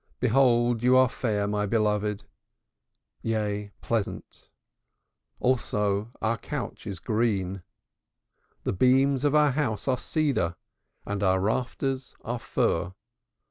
Behold thou art fair, my beloved, yea pleasant; also our couch is green. The beams of our house are cedar and our rafters are fir.